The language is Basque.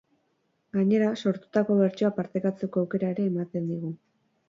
Gainera, sortutako bertsoa partekatzeko aukera ere ematen digu.